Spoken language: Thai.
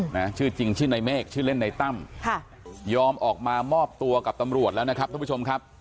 นะชื่อจริงชื่อในเมฆชื่อเล่นในตั้มค่ะยอมออกมามอบตัวกับตำรวจแล้วนะครับท่านผู้ชมครับ